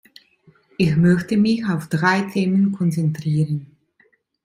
Ich möchte mich auf drei Themen konzentrieren.